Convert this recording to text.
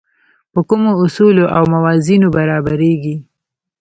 په کومو اصولو او موازینو برابرېږي.